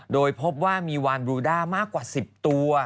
โดยพบว่ามีวานบรูด้ามากกว่า๑๐ตัว